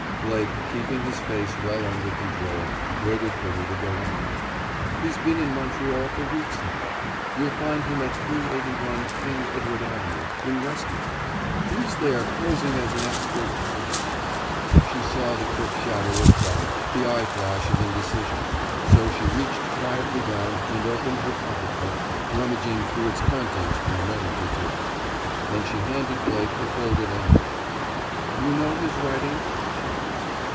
Blake, keeping his face well under control, waited for her to go on. "He's been in Montreal for weeks now. You'll find him at 381 King Edward Avenue, in Westmount. He's there, posing as an expert accountant." She saw the quick shadow of doubt, the eye flash of indecision. So she reached quietly down and opened her pocket book, rummaging through its contents for a moment or two. Then she handed Blake a folded envelope. "You know his writing?" she asked.